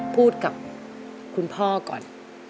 พูดกับคุณพ่อก่อน